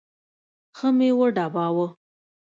ښه مې وډباوه.